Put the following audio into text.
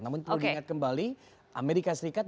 namun perlu diingat kembali amerika serikat